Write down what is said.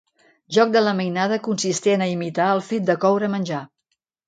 Joc de la mainada consistent a imitar el fet de coure menjar.